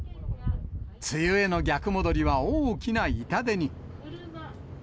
梅雨への逆戻りは大きな痛手に。